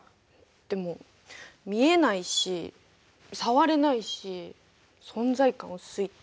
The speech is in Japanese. でも見えないし触れないし存在感薄いって感じ。